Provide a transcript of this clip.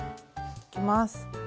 いきます。